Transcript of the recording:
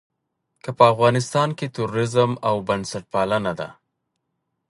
که په افغانستان کې تروريزم او بنسټپالنه ده.